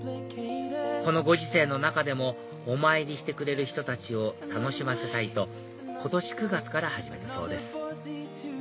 このご時世の中でもお参りしてくれる人たちを楽しませたいと今年９月から始めたそうです